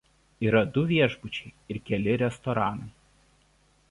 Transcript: Yra du viešbučiai ir keli restoranai.